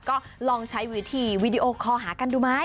ก็ลองใช้วิธีวีดีโอคอลหากันดูไหม